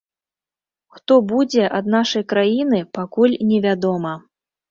Хто будзе ад нашай краіны, пакуль не вядома.